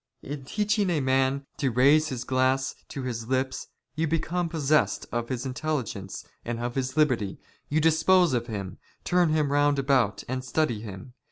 In teaching a man to raise his glass " to his lips you become possessed of his intelligence and of his " liberty, you dispose of him, turn him round about, and study ''him.